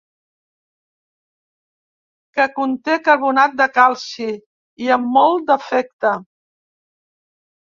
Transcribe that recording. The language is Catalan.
Que conté carbonat de calci, i amb molt d'afecte.